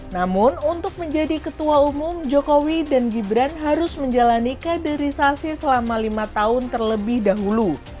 namun untuk menjadi ketua umum jokowi dan gibran harus menjalani kaderisasi selama lima tahun terlebih dahulu